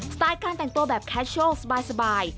ไตล์การแต่งตัวแบบแคชเชิลสบาย